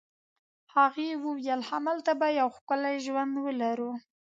هغې وویل: همالته به یو ښکلی ژوند ولرو.